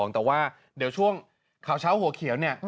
แต่ว่าเดี๋ยวช่วงข่าวเช้าหัวเขียวเนี่ย